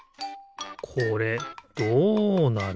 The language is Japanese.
これどうなる？